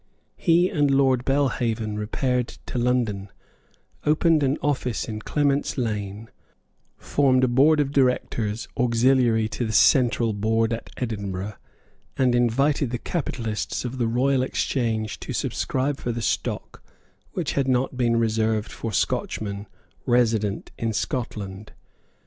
He and Lord Belhaven repaired to London, opened an office in Clement's Lane, formed a Board of Directors auxiliary to the Central Board at Edinburgh, and invited the capitalists of the Royal Exchange to subscribe for the stock which had not been reserved for Scotchmen resident in Scotland.